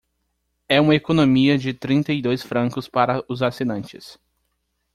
É uma economia de trinta e dois francos para os assinantes.